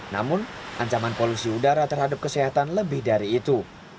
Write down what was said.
namun ancaman polusi udara terhadap kesehatan lebih dari itu